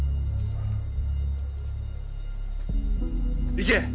行け！